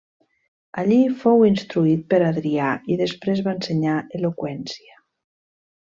Allí fou instruït per Adrià i després va ensenyar eloqüència.